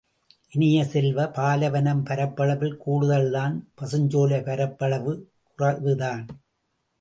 இனிய செல்வ, பாலைவனம் பரப்பளவில் கூடுதல் தான் பசுஞ்சோலை பரப்பளவில் குறைவுதான்.